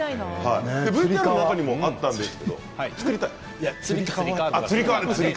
ＶＴＲの中にもあったんですが作りたい？